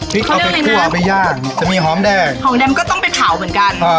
พริกเอาไปคั่วเอาไปย่างจะมีหอมแดงหอมแดงก็ต้องไปเผาเหมือนกัน